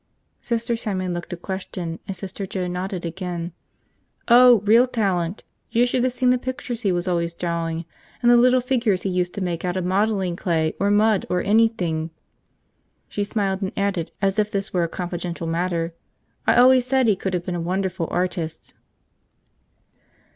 Sister Simon looked a question, and Sister Joe nodded again. "Oh, real talent! You should have seen the pictures he was always drawing. And the little figures he used to make out of modeling clay or mud or anything." She smiled and added as if this were a confidential matter, "I always said he could have been a wonderful artist."